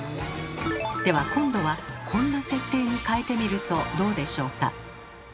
では今度はこんな設定に変えてみるとどうでしょうか？